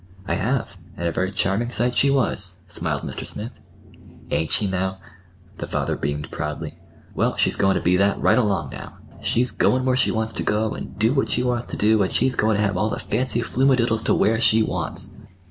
"I have—and a very charming sight she was," smiled Mr. Smith. "Ain't she, now?" The father beamed proudly. "Well, she's goin' to be that right along now. She's goin' where she wants to go, and do what she wants to do; and she's goin' to have all the fancy fluma diddles to wear she wants."